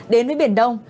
đến với biển đông